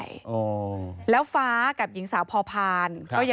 ก็ไม่รู้ว่าฟ้าจะระแวงพอพานหรือเปล่า